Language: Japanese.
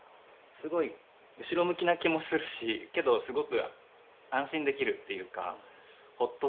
すごい後ろ向きな気もするしけどすごく安心できるっていうかほっとする。